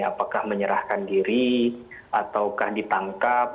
apakah menyerahkan diri ataukah ditangkap